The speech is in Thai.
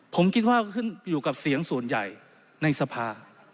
ผมคิดว่าขึ้นอยู่กับเสียงส่วนใหญ่ในสภา